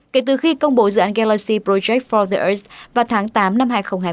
kể từ khi công bố dự án galaxy project for the earth vào tháng tám năm hai nghìn hai mươi một